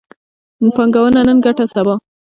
پانګونه نن، ګټه سبا